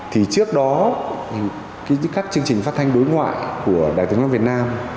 thì trước đó các chương trình phát thanh đối ngoại của đại tướng nam việt nam